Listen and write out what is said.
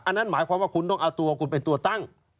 นั่นหมายความว่าคุณต้องเอาตัวคุณเป็นตัวตั้ง